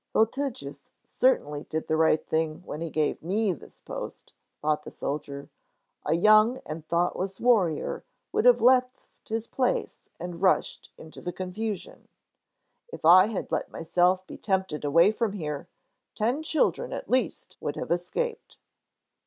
"Voltigius certainly did the right thing when he gave me this post," thought the soldier. "A young and thoughtless warrior would have left his place and rushed into the confusion. If I had let myself be tempted away from here, ten children at least would have escaped."